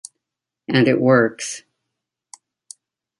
And it works.